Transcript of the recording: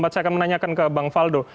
saya akan menanyakan ke bang faldo